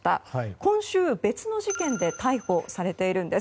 今週、別の事件で逮捕されているんです。